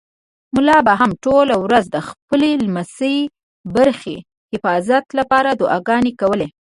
ملا به هم ټوله ورځ د خپلې لسمې برخې حفاظت لپاره دعاګانې کولې.